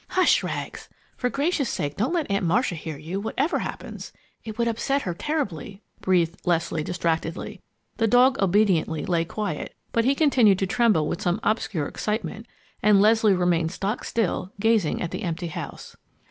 "Hush, Rags! For gracious sake don't let Aunt Marcia hear you, whatever happens! It would upset her terribly," breathed Leslie, distractedly. The dog obediently lay quiet, but he continued to tremble with some obscure excitement, and Leslie remained stock still, gazing at the empty house.